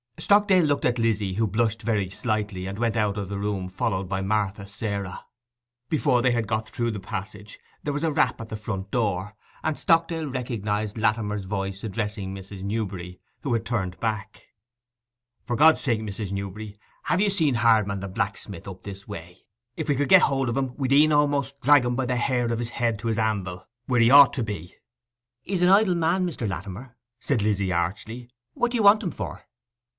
Stockdale looked at Lizzy, who blushed very slightly, and went out of the room, followed by Martha Sarah. But before they had got through the passage there was a rap at the front door, and Stockdale recognized Latimer's voice addressing Mrs. Newberry, who had turned back. 'For God's sake, Mrs. Newberry, have you seen Hardman the blacksmith up this way? If we could get hold of him, we'd e'en a'most drag him by the hair of his head to his anvil, where he ought to be.' 'He's an idle man, Mr. Latimer,' said Lizzy archly. 'What do you want him for?